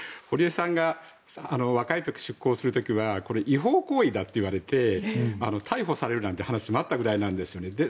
堀江さんが若い時、出航する時は違法行為だって言われて逮捕されるなんて話もあったぐらいなんですよね。